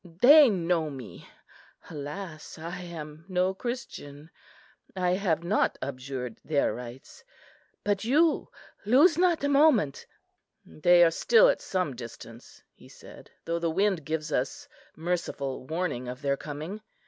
They know me. Alas, I am no Christian! I have not abjured their rites! but you, lose not a moment." "They are still at some distance," he said, "though the wind gives us merciful warning of their coming."